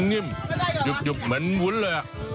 นิ่มหยุบเหม็นหุ้นเลยอ่ะ